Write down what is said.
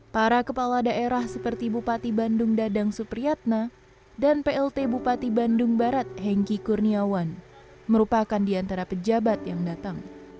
para kepala daerah seperti bupati bandung dadang supriyatna dan plt bupati bandung barat hengki kurniawan merupakan di antara pejabat yang datang